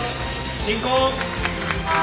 進行。